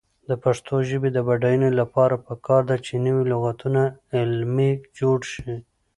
د پښتو ژبې د بډاینې لپاره پکار ده چې نوي لغتونه علمي جوړ شي.